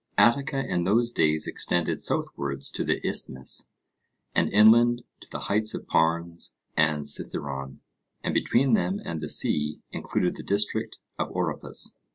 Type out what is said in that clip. Attica in those days extended southwards to the Isthmus, and inland to the heights of Parnes and Cithaeron, and between them and the sea included the district of Oropus.